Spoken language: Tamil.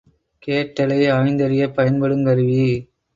கேட்டலை ஆய்ந்தறியப் பயன்படுங் கருவி.